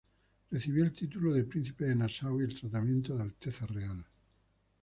Recibió el título de Príncipe de Nassau y el tratamiento de Alteza Real.